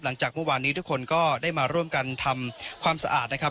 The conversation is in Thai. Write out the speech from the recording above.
หลังจากเมื่อวานนี้ทุกคนก็ได้มาร่วมกันทำความสะอาดนะครับ